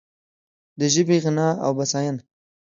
د ژبې غنا او بسیاینه